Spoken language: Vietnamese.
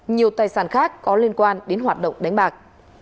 nhiều tài sản khác có liên quan đến hoạt động đánh bạc